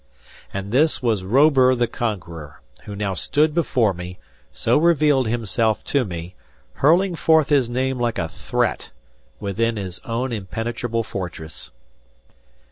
And this was Robur the Conqueror, who now stood before me, who revealed himself to me, hurling forth his name like a threat, within his own impenetrable fortress!